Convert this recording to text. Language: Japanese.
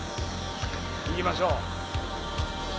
行きましょう。